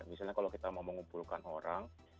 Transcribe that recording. misalnya kalau kita mau mengumpulkan orang